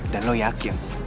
dan lo yakin